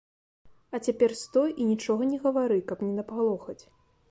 А цяпер стой і нічога не гавары, каб не напалохаць.